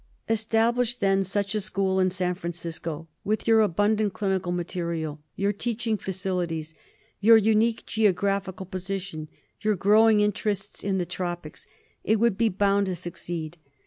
Establish, then, such a school in San Francisco ; with your abundant clinical material, your teaching facilities, your unique geographical position, your grow ing interests in the tropics, it would be bound to succeed.